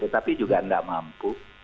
tapi juga tidak mampu